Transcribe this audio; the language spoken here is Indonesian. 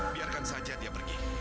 biarkan saja dia pergi